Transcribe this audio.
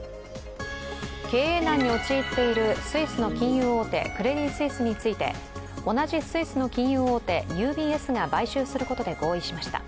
経営難に陥っているスイスの金融大手、クレディ・スイスについて同じスイスの金融大手ＵＢＳが買収することで合意しました。